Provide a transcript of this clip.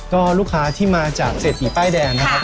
ก็ลูกค้าที่มาจากเศรษฐีป้ายแดงนะครับ